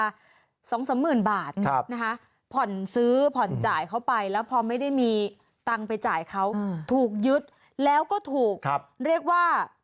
สองสามหมื่นบาทนะคะผ่อนซื้อผ่อนจ่ายเข้าไปแล้วพอไม่ได้มีตังค์ไปจ่ายเขาถูกยึดแล้วก็ถูกเรียกว่า